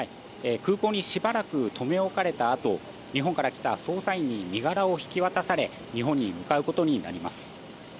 空港にしばらく留め置かれたあと日本から来た捜査員に身柄を引き渡され日本に向かうことになります。